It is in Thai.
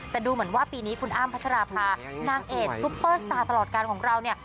แต่ดูเหมือนว่าปีนี้คุณอ้ำพัชราภานางเอกซุปเปอร์สตาร์ตลอดการของเราเนี่ย